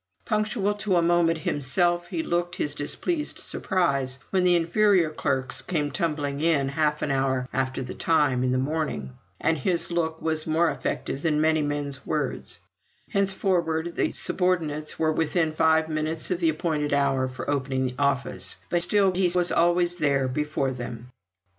Punctual to a moment himself, he looked his displeased surprise when the inferior clerks came tumbling in half an hour after the time in the morning; and his look was more effective than many men's words; henceforward the subordinates were within five minutes of the appointed hour for opening the office; but still he was always there before them.